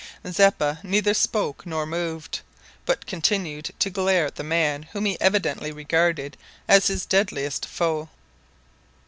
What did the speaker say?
Zeppa neither spoke nor moved, but continued to glare at the man whom he evidently regarded as his deadliest foe.